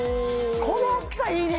この大きさいいね